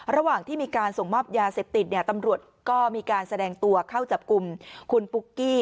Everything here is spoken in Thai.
ระหว่างที่มีการส่งมอบยาเสพติดเนี่ยตำรวจก็มีการแสดงตัวเข้าจับกลุ่มคุณปุ๊กกี้